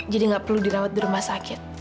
jadi gak perlu dirawat di rumah sakit